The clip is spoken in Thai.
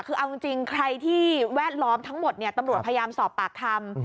คือเอาจริงใครที่แวดล้อมทั้งหมดตำรวจพยายามสอบปากคำ